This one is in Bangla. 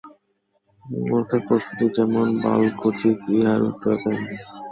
ঐ অবস্থায় প্রশ্নটিও যেমন বালকোচিত, উহার উত্তরও তেমনি।